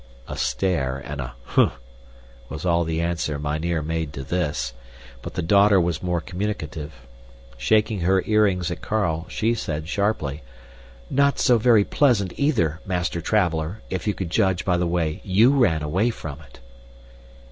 A stare and a "humph!" was all the answer mynheer made to this, but the daughter was more communicative. Shaking her earrings at Carl, she said sharply, "Not so very pleasant, either, master traveler, if you could judge by the way YOU ran away from it!"